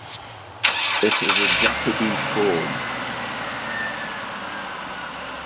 It is a Jacobi form.